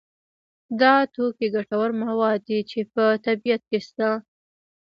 دا توکي ګټور مواد دي چې په طبیعت کې شته.